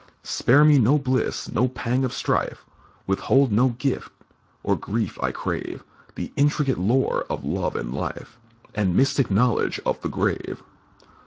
"Spare me no bliss, no pang of strife, Withhold no gift or grief I crave, The intricate lore of love and life And mystic knowledge of the grave."